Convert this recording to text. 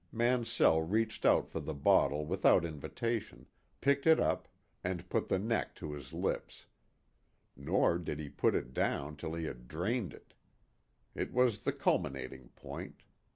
Mansell reached out for the bottle without invitation, picked it up, and put the neck to his lips. Nor did he put it down till he had drained it. It was the culminating point.